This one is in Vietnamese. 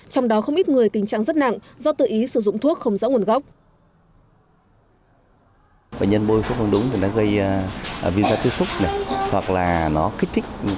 trong đó không ít người tình trạng rất nặng do tự ý sử dụng thuốc không rõ nguồn gốc